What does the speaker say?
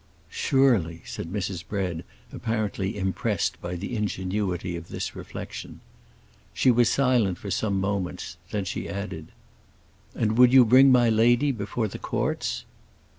"Surely," said Mrs. Bread, apparently impressed by the ingenuity of this reflection. She was silent for some moments; then she added, "And would you bring my lady before the courts?"